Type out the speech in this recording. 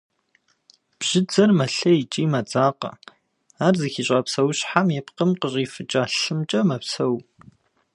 Бжьыдзэр мэлъей икӏи мэдзакъэ, ар зыхищӏа псэущхьэм и пкъым къыщӏифыкӏа лъымкӏэ мэпсэу.